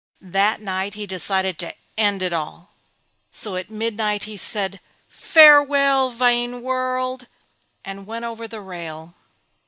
That night he decided to end it all. So at midnight he said "Farewell vain world" and went over the rail.